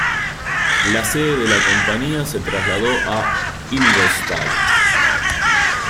La sede de la compañía se trasladó a Ingolstadt.